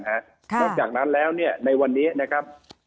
นอกจากนั้นแล้วในวันนี้นะครับ